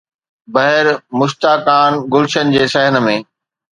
بهر مشتاقان گلشن جي صحن ۾